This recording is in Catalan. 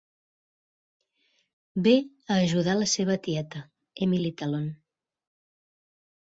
Ve a ajudar la seva tieta, Emily Talon.